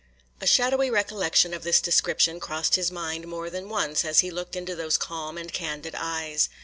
A shadowy recollection of this description crossed his mind more than once, as he looked into those calm and candid eyes.